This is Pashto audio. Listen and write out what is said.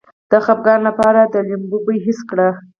د خپګان لپاره د لیمو بوی حس کړئ